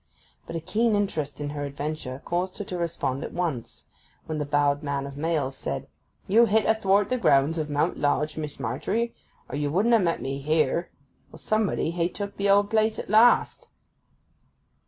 But a keen interest in her adventure caused her to respond at once when the bowed man of mails said, 'You hit athwart the grounds of Mount Lodge, Miss Margery, or you wouldn't ha' met me here. Well, somebody hey took the old place at last.